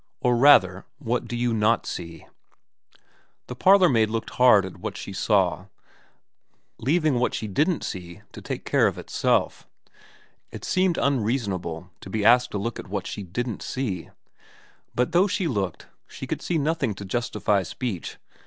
' Or, rather, what do you not see ?' The parlourmaid looked hard at what she saw, leaving what she didn't see to take care of itself. It seemed unreasonable to be asked to look at what she didn't see. But though she looked, she could see nothing to justify speech.